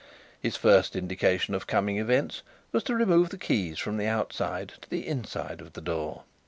His first indication of coming events was to remove the key from the outside to the inside of the door.